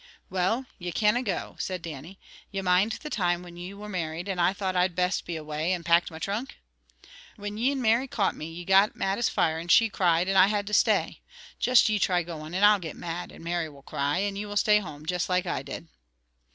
"Well, ye canna go," said Dannie. "Ye mind the time when ye were married, and I thought I'd be best away, and packed my trunk? When ye and Mary caught me, ye got mad as fire, and she cried, and I had to stay. Just ye try going, and I'll get mad, and Mary will cry, and ye will stay at home, juist like I did."